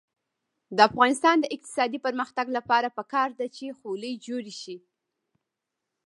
د افغانستان د اقتصادي پرمختګ لپاره پکار ده چې خولۍ جوړې شي.